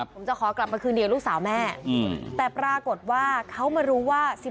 ผมจะขอกลับมาคืนเดียวลูกสาวแม่แต่ปรากฏว่าเขามารู้ว่า